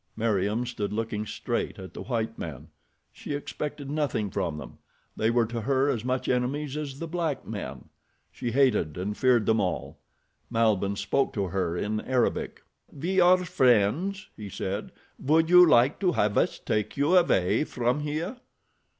Meriem stood looking straight at the white men. She expected nothing from them—they were to her as much enemies as the black men. She hated and feared them all. Malbihn spoke to her in Arabic. "We are friends," he said. "Would you like to have us take you away from here?"